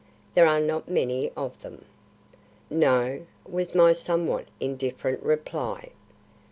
There are not many of them." "No," was my somewhat indifferent reply.